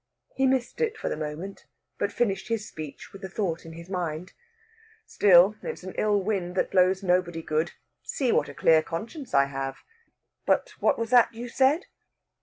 He missed it for the moment, but finished his speech with the thought in his mind. "Still, it's an ill wind that blows nobody good. See what a clear conscience I have! But what was that you said?"